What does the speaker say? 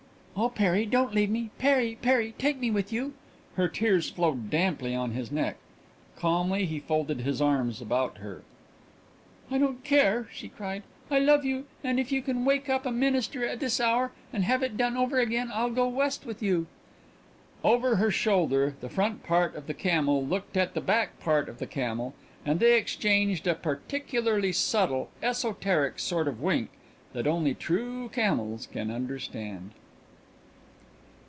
"Oh, Perry, don't leave me! Perry, Perry, take me with you!" Her tears flowed damply on his neck. Calmly he folded his arms about her. "I don't care," she cried. "I love you and if you can wake up a minister at this hour and have it done over again I'll go West with you." Over her shoulder the front part of the camel looked at the back part of the camel and they exchanged a particularly subtle, esoteric sort of wink that only true camels can understand.